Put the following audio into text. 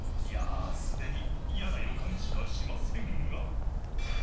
［いやすでに嫌な予感しかしませんが］